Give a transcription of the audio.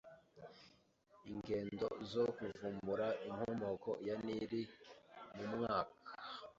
Ingendo zo kuvumbura Inkomoko ya Nili mu myaka